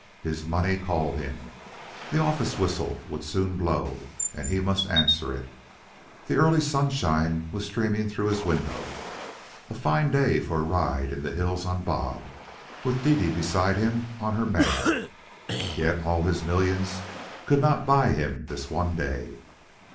His money called him. The office whistle would soon blow, and he must answer it. The early sunshine was streaming through his window a fine day for a ride in the hills on Bob, with Dede beside him on her Mab. Yet all his millions could not buy him this one day.